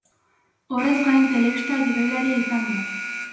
Horrez gain, telebista-gidoilaria izan da.